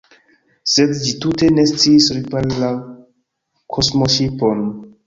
Sed, ĝi tute ne sciis ripari la kosmoŝipon.